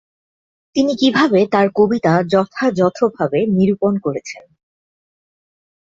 তিনি কিভাবে তাঁর কবিতা যথাযথভাবে নিরূপন করেছেন।